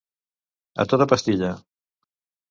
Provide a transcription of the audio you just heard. A tota pastilla.